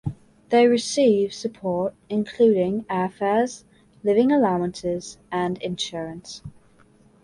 They receive support including airfares, living allowances and insurance.